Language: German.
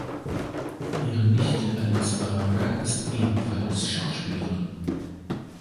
Ihre Nichte Alice Braga ist ebenfalls Schauspielerin.